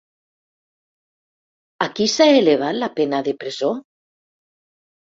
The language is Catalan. A qui s'ha elevat la pena de presó?